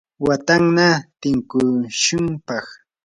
watanna tinkushunpaq.